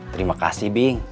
terima kasih bing